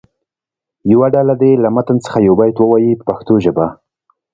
یوه ډله دې له متن څخه یو بیت ووایي په پښتو ژبه.